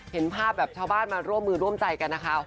เห็นภาพแบบชาวบ้านมาร่วมมือร่วมใจกันนะคะ